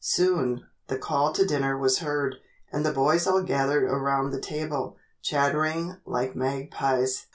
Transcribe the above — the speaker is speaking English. Soon, the call to dinner was heard, and the boys all gathered around the table, chattering like magpies.